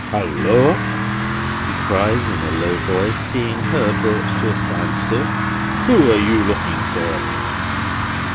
"Halloa!" he cries in a low voice, seeing her brought to a stand still: "who are you looking for?"